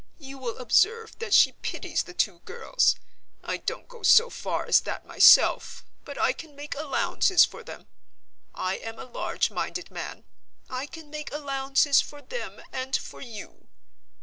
You will observe that she pities the two girls. I don't go so far as that myself, but I can make allowances for them. I am a large minded man. I can make allowances for them and for you."